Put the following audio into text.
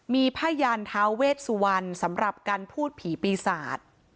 มีผ้ายันท้าเวชสุวรรณสำหรับการพูดผีปีศาจ